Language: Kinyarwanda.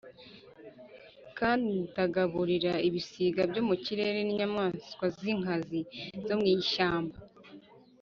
kandi ndagaburira ibisiga byo mu kirere n’inyamaswa z’inkazi zo mu ishyamba